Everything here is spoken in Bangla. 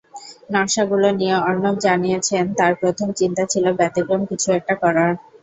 নকশাগুলো নিয়ে অর্ণব জানিয়েছেন, তাঁর প্রথম চিন্তা ছিল ব্যতিক্রম কিছু একটা করার।